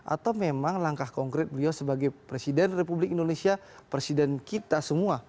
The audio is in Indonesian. atau memang langkah konkret beliau sebagai presiden republik indonesia presiden kita semua